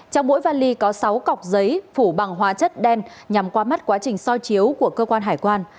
trong mỗi vali có sáu cọc giấy phủ bằng hóa chất đen nhằm qua mắt quá trình soi chiếu của cơ quan hải quan